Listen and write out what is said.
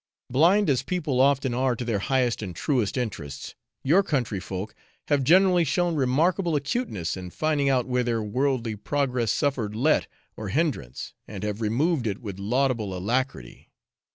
Blind as people often are to their highest and truest interests, your country folk have generally shown remarkable acuteness in finding out where their worldly progress suffered let or hindrance, and have removed it with laudable alacrity.